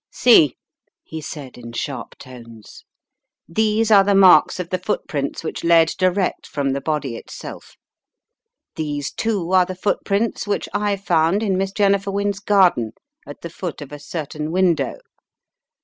"See," he said in sharp tones, "these are the marks of the footprints which led direct from the body itself. These, too, are the footprints which I found in Miss Jennifer Wynne's garden, at the foot of a certain window.